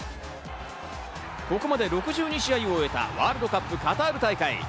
ここまで６２試合を終えたワールドカップカタール大会。